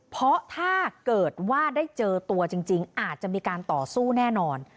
เพราะถ้าเกิดว่าได้เจอตัวจริงอาจจะมีการต่อสู้แน่นอน